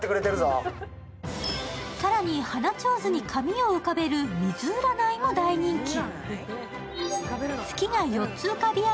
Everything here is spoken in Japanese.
更に花ちょうずに紙を浮かべる水占いも大人気。